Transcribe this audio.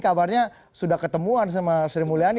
kabarnya sudah ketemuan sama sri mulyani